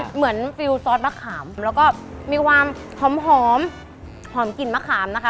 ฟิลซอสมะขามแล้วก็มีความหอมหอมกลิ่นมะขามนะคะ